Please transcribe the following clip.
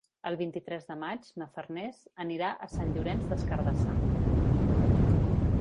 El vint-i-tres de maig na Farners anirà a Sant Llorenç des Cardassar.